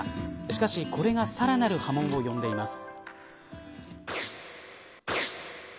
しかし、これがさらなる波紋を呼んでいます。